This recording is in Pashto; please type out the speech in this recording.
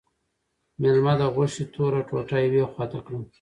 مېلمه د غوښې توره ټوټه یوې خواته کړه.